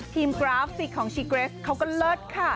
กราฟิกของชีเกรสเขาก็เลิศค่ะ